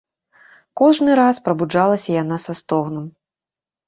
Кожны раз прабуджалася яна са стогнам.